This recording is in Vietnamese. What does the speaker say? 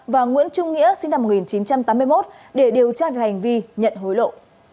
và nguyễn trung nghĩa sinh năm một nghìn chín trăm tám mươi một để điều tra về hành vi nhận hối lộ